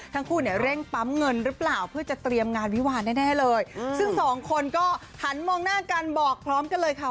ทั้งคู่เนี่ยเร่งปั๊มเงินหรือเปล่าเพื่อจะเตรียมงานวิวาลแน่เลยซึ่งสองคนก็หันมองหน้ากันบอกพร้อมกันเลยค่ะ